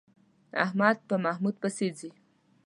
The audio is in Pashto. احمد په محمود پسې ځي.